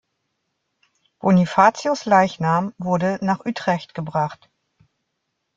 Bonifatius’ Leichnam wurde nach Utrecht gebracht.